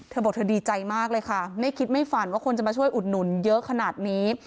เธอบอกเธอดีใจมากเลยค่ะไม่คิดไม่ฝันว่าคนจะมาช่วยอุดหนุนเยอะขนาดนี้